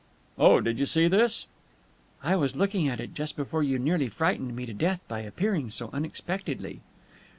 "Oh, did you see this?" "I was looking at it just before you nearly frightened me to death by appearing so unexpectedly."